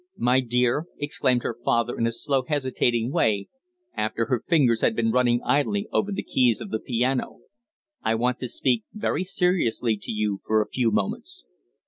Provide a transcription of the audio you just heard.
"My dear," exclaimed her father in a slow, hesitating way, after her fingers had been running idly over the keys of the piano, "I want to speak very seriously to you for a few moments."